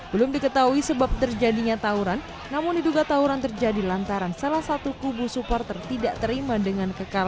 belum diketahui sebab terjadinya tawuran namun diduga tawuran terjadi lantaran salah satu kubu supporter tidak terima dengan kekalahan